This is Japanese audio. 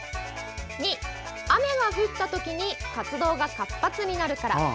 ２、雨が降ったときに活動が活発になるから。